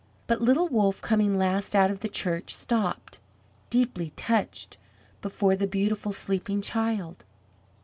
But little Wolff, coming last out of the church, stopped, deeply touched, before the beautiful sleeping child.